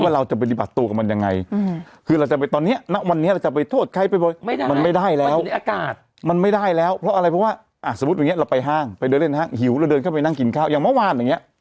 เราเดินเข้าไปนั่งกินข้าวอย่างเมื่อวานอย่างนี้